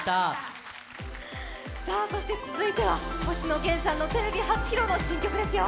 そして続いては、星野源さんのテレビ初披露の新曲ですよ。